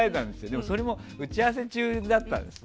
でも、それは打ち合わせ中だったんです。